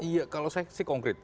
iya kalau saya sih konkret